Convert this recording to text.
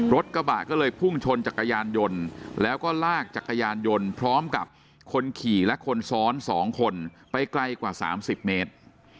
รถกระบะก็เลยพุ่งชนจักรยานยนต์แล้วก็ลากจักรยานยนต์พร้อมกับคนขี่และคนซ้อน๒คนไปไกลกว่า๓๐เมตร